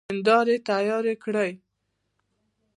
هيندارې تيارې کړئ!